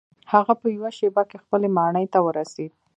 هغه په یوه شیبه کې خپلې ماڼۍ ته ورسید.